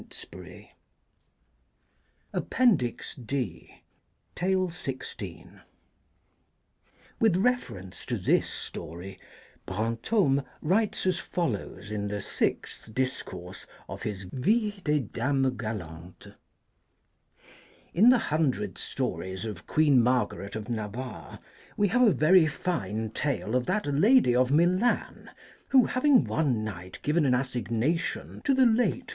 222 THE HEPTAMERON. D. (TALE XVI., Page 183.) WITH reference to this story Brantome writes as follows in the Sixth Discourse of his Vies des Dames Galantes :" In the hundred stories of Queen Margaret of Navarre we have a very fine tale of that lady of Milan who, having one night given an assignation to the late M.